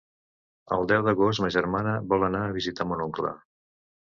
El deu d'agost ma germana vol anar a visitar mon oncle.